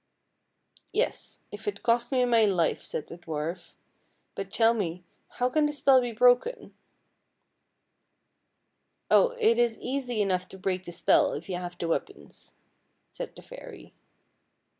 Yes, if it cost me my life," said the dwarf ;" but tell me, how can the spell be broken? "" Oh, it is easy enough to break the spell if you have the weapons," said the fairy.